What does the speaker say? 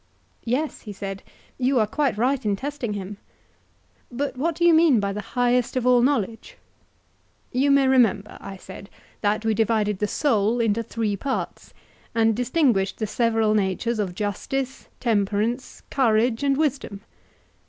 Yes, he said, you are quite right in testing him. But what do you mean by the highest of all knowledge? You may remember, I said, that we divided the soul into three parts; and distinguished the several natures of justice, temperance, courage, and wisdom?